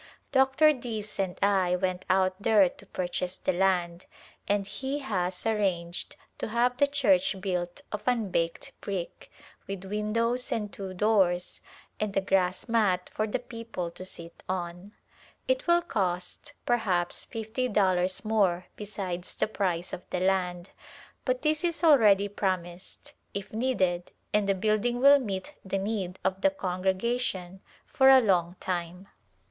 Dr. Dease and I went out there to purchase the land and he has ar ranged to have the church built of unbaked brick, with windows and two doors, and a grass mat for the [•54] Decen7iial Conference at Calcutta people to sit on. It will cost perhaps fifty dollars more besides the price of the land, but this is already prom ised, if needed, and the building will meet the need of the congregation for a long time.